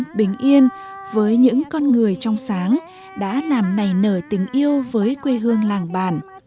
cuộc sống bình yên với những con người trong sáng đã làm nảy nở tình yêu với quê hương làng bản